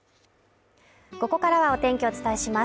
ここからはお天気をお伝えします。